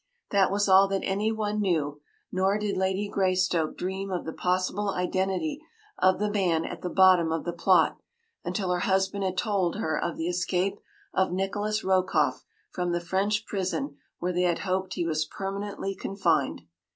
That was all that anyone knew, nor did Lady Greystoke dream of the possible identity of the man at the bottom of the plot until her husband told her of the escape of Nikolas Rokoff from the French prison where they had hoped he was permanently confined.